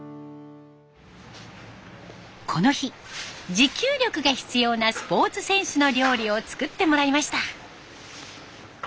この日持久力が必要なスポーツ選手の料理を作ってもらいました。